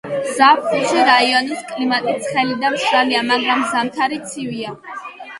ზაფხულში რაიონის კლიმატი ცხელი და მშრალია, მაგრამ ზამთარი ცივია.